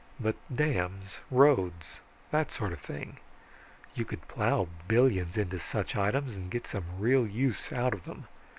But dams, roads, that sort of thing. You could plow billions into such items and get some real use out of them.